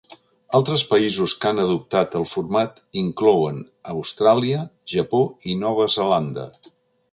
Altres països que han adoptat el format inclouen Austràlia, Japó i Nova Zelanda.